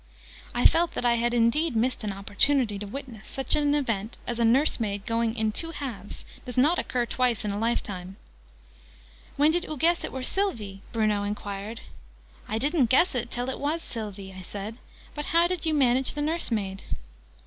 I felt that I had indeed missed an opportunity: to witness such an event as a nursemaid going 'in two halves' does not occur twice in a life time! "When did oo guess it were Sylvie?" Bruno enquired. {Image...'It went in two halves'} "I didn't guess it, till it was Sylvie," I said. "But how did you manage the nursemaid?"